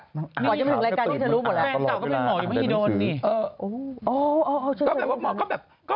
ก่อนจะถึงรายการทุกคนจะรู้หมดแล้วตลอดเวลาแต่มันซื้อแฟนต่อก็ไม่เหงาอยู่ไม่ได้โดน